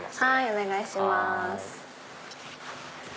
お願いします。